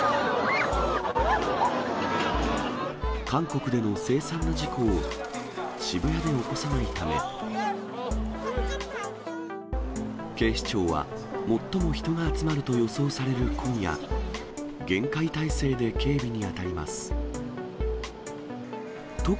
韓国での凄惨な事故を、渋谷で起こさないため、警視庁は、最も人が集まると予想される今夜、厳戒態勢で警備に当たります。